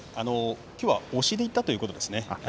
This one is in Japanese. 今日は押しにいったということですね。